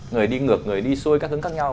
người đi ngược người đi xuôi các hướng khác nhau